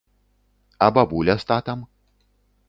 А бабуля з татам?